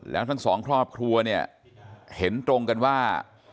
แล้วทั้งสองครอบครัวเนี่ยเห็นตรงกันว่า